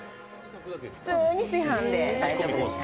普通に炊飯で大丈夫です。